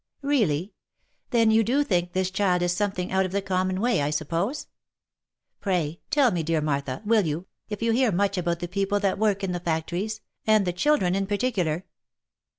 ''Really! Then you do think this child is something out of the common way, I suppose ? Pray tell me, dear Martha, will you, if you hear much about the people that work in the factories ? and the chil dren in particular?"